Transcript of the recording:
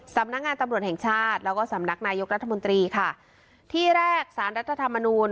สำนักงานตำรวจแห่งชาติแล้วก็สำนักนายกรัฐมนตรีค่ะที่แรกสารรัฐธรรมนูล